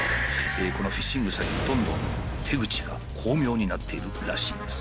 このフィッシング詐欺どんどん手口が巧妙になっているらしいんです。